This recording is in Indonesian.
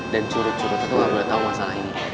dan curut curutnya tuh gak boleh tau masalah ini